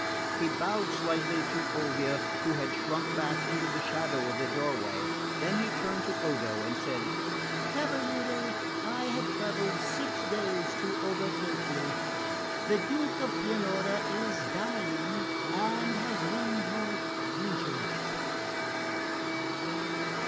He bowed slightly to Fulvia, who had shrunk back into the shadow of the doorway; then he turned to Odo and said: "Cavaliere, I have travelled six days to overtake you. The Duke of Pianura is dying and has named you regent."